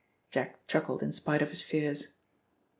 Jack chuckled in spite of his fears.